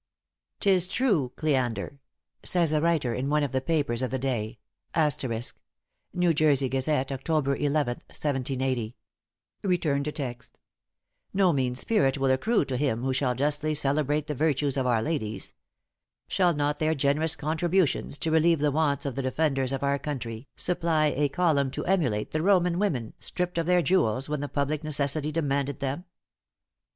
"'Tis true, Cleander," says a writer in one of the papers of the day, * "no mean merit will accrue to him who shall justly celebrate the virtues of our ladies! Shall not their generous contributions to relieve the wants of the defenders of our country, supply a column to emulate the Roman women, stripped of their jewels when the public necessity demanded them?"